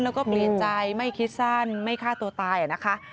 แล้วก็เปลี่ยนใจไม่คิดสั้นไม่ฆ่าตัวตายนะคะ